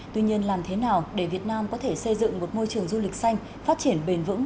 tuy nhiên làm thế nào để việt nam có thể xây dựng một môi trường du lịch xanh phát triển bền vững